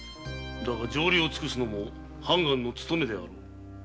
だが情理を尽くすのも判官の勤めであろう。